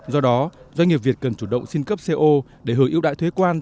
do đó doanh nghiệp việt cần chủ động xin cấp co để hưởng ưu đại thuế quan